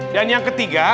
dan yang ketiga